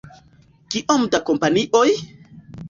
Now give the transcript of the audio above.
Kiom da kompanioj?